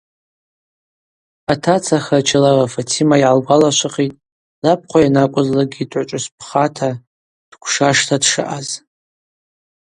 Атаца Харчилава Фатима йгӏалгвалашвахитӏ лабхъва йанакӏвызлакӏгьи дгӏвычӏвгӏвыс пхата, дгвшашта дшаъаз.